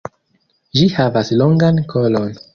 Ĝi havas longan kolon.